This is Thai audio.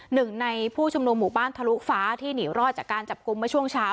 หนึ่งในผู้ชุมนุมหมู่บ้านทะลุฟ้าที่หนีรอดจากการจับกลุ่มเมื่อช่วงเช้า